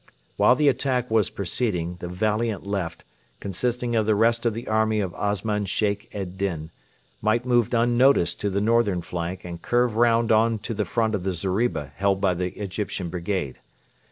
While the attack was proceeding, the valiant left, consisting of the rest of the army of Osman Sheikh ed Din, might move unnoticed to the northern flank and curve round on to the front of the zeriba held by the Egyptian brigade.